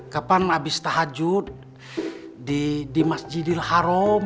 kapan habis tahajud di masjidil haram